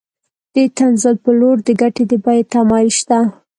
د تنزل په لور د ګټې د بیې تمایل شته